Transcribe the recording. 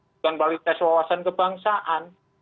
bukan balik tes wawasan kebangsaan